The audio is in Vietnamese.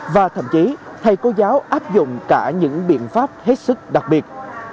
và thậm chí thầy cô giáo áp dụng cả những biện pháp hết sức đặc biệt